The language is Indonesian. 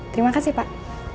terima kasih pak